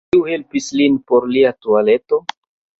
Kiu helpis lin por lia tualeto?